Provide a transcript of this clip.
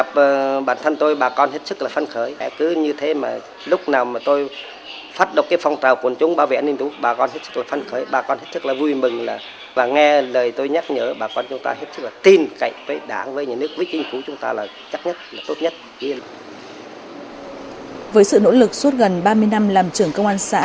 với sự nỗ lực suốt gần ba mươi năm làm trưởng công an xã